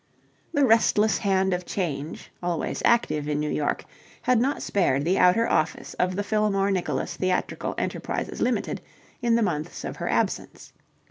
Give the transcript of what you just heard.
The restless hand of change, always active in New York, had not spared the outer office of the Fillmore Nicholas Theatrical Enterprises Ltd. in the months of her absence.